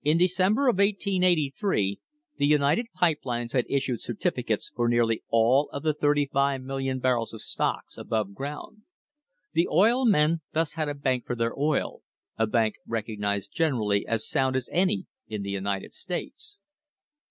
In December of 1883 the United Pipe Lines had issued certificates for nearly all of the 35,000,000 barrels of stocks above ground. The oil men thus had a bank for their oil, a bank recognised gener ally as sound as any in the United States.